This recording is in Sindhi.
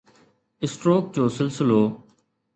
اسٽروڪ جو سلسلو